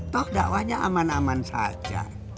toh dakwahnya aman aman saja